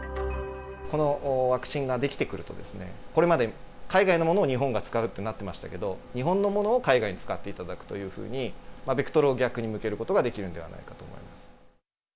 このワクチンが出来てくると、これまで海外のものを日本が使うとなっていましたけれども、日本のものを海外で使っていただくというふうに、ベクトルを逆に向けることができるのではないかと思います。